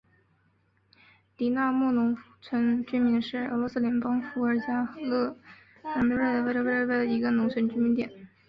狄纳莫农村居民点是俄罗斯联邦伏尔加格勒州涅哈耶夫斯卡亚区所属的一个农村居民点。